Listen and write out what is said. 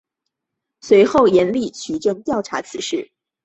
随后严厉取证调查此事。